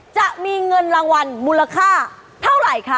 จะมีเงินรางวัลมูลค่าเท่าไหร่คะ